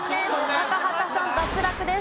高畑さん脱落です。